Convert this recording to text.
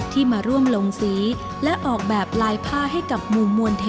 ที่มาร่วมลงสีและออกแบบลายผ้าให้กับหมู่มวลเท